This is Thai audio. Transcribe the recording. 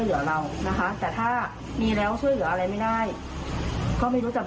เหลือเรานะคะแต่ถ้ามีแล้วช่วยเหลืออะไรไม่ได้ก็ไม่รู้จัก